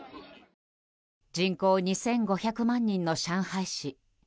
人口２５００万人の上海市。